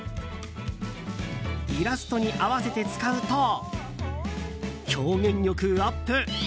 イラストに合わせて使うと表現力アップ。